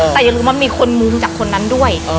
แต่อย่าลืมว่ามีคนมุมจากคนนั้นด้วย